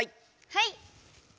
はい！